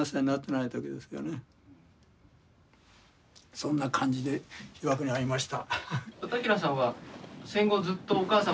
そんな感じで被爆に遭いました。